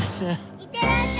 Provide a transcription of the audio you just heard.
いってらっしゃい。